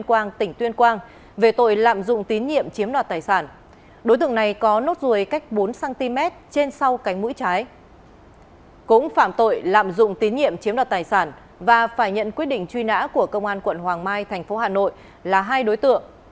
cũng phạm tội lạm dụng tín nhiệm chiếm đoạt tài sản và phải nhận quyết định truy nã của công an quận hoàng mai thành phố hà nội là hai đối tượng